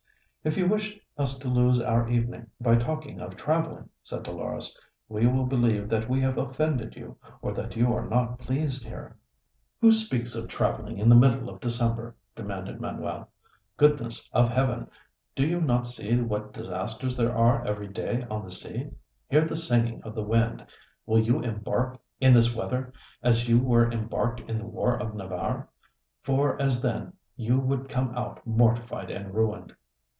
'" "If you wish us to lose our evening by talking of traveling," said Dolores, "we will believe that we have offended you, or that you are not pleased here." "Who speaks of traveling in the middle of December?" demanded Manuel. "Goodness of heaven! Do you not see what disasters there are every day on the sea? hear the singing of the wind! Will you embark in this weather, as you were embarked in the war of Navarre? for as then, you would come out mortified and ruined."